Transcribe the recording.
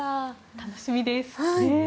楽しみです。